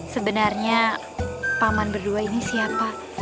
sebenarnya paman berdua ini siapa